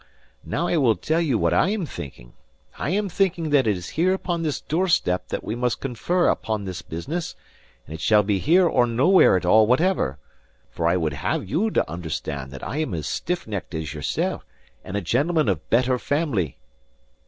Now I will tell you what I am thinking. I am thinking that it is here upon this doorstep that we must confer upon this business; and it shall be here or nowhere at all whatever; for I would have you to understand that I am as stiffnecked as yoursel', and a gentleman of better family."